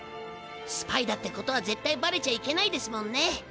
スパイだってことはぜったいバレちゃいけないですもんね。